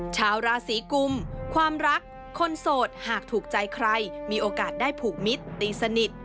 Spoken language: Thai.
ชาวราศีกุมความรักคนโสดหากถูกใจใครมีโอกาสได้ผูกมิตรตีสนิท